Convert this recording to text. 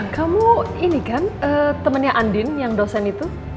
kamu ini kan temennya andin yang dosen itu